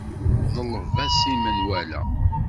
Ḍleb-as i menwala.